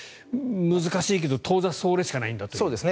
難しいけど当座、それしかないんだと。